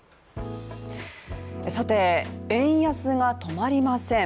円安が止まりません。